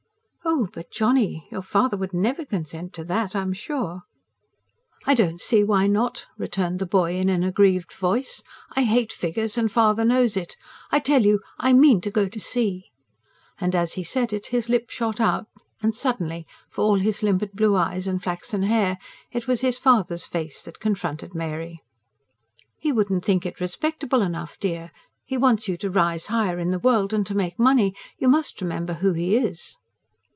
"Oh, but Johnny! Your father would never consent to that, I'm sure." "I don't see why not," returned the boy in an aggrieved voice. "I hate figures and father knows it. I tell you I mean to go to sea." And as he said it his lip shot out, and suddenly, for all his limpid blue eyes and flaxen hair, it was his father's face that confronted Mary. "He wouldn't think it respectable enough, dear. He wants you to rise higher in the world, and to make money. You must remember who he is."